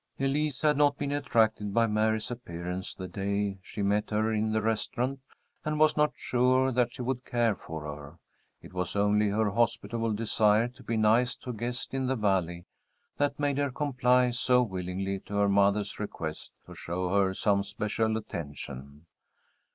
Elise had not been attracted by Mary's appearance the day she met her in the restaurant and was not sure that she would care for her. It was only her hospitable desire to be nice to a guest in the Valley that made her comply so willingly to her mother's request to show her some especial attention.